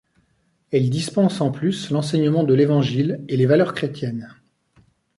Elle dispense en plus l'enseignement de l'Évangile et les valeurs chrétiennes.